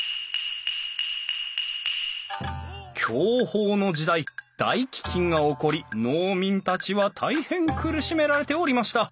享保の時代大飢饉が起こり農民たちは大変苦しめられておりました。